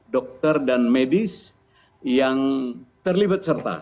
dokter dan medis yang terlibat serta